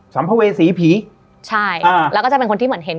สัมภเวษีผีใช่แล้วก็จะเป็นคนที่เหมือนเห็น